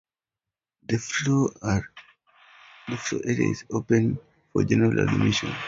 The floor area is open for general admission.